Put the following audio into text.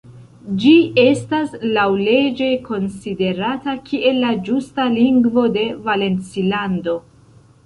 Ĝi estas laŭleĝe konsiderata kiel la ĝusta lingvo de Valencilando.